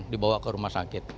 dibawa ke rumah sakit